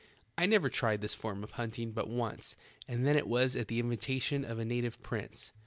I never tried this form of hunting but once, and then it was at the invitation of a native prince.